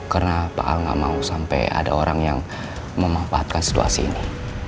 karena pak al nggak mau sampai ada orang yang memanfaatkan situasi ini